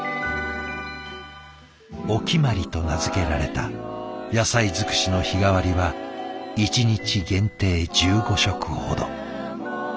おきまりと名付けられた野菜づくしの日替わりは１日限定１５食ほど。